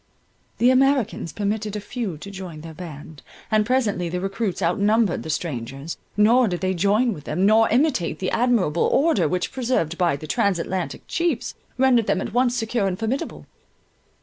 The Americans permitted a few to join their band, and presently the recruits outnumbered the strangers—nor did they join with them, nor imitate the admirable order which, preserved by the Trans Atlantic chiefs, rendered them at once secure and formidable.